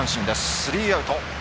スリーアウト。